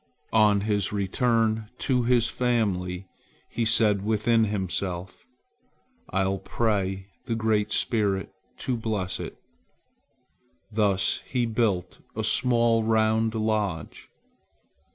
On his return to his family, he said within himself: "I'll pray the Great Spirit to bless it." Thus he built a small round lodge.